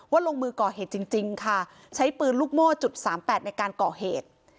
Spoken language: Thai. ลงมือก่อเหตุจริงค่ะใช้ปืนลูกโม่จุดสามแปดในการก่อเหตุ